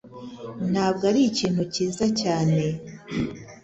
Ntabwo ari kintu cyiza cyane.